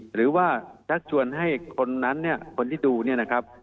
หรือว่าชักชวนให้คนที่ดูนี่นะครับ